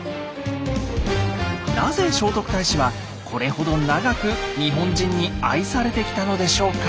なぜ聖徳太子はこれほど長く日本人に愛されてきたのでしょうか？